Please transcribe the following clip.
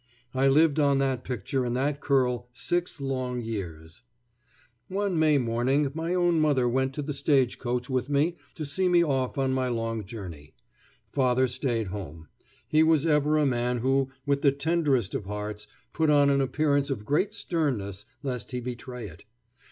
I lived on that picture and that curl six long years. [Illustration: The Picture her Mother gave me] One May morning my own mother went to the stagecoach with me to see me off on my long journey. Father stayed home. He was ever a man who, with the tenderest of hearts, put on an appearance of great sternness lest he betray it.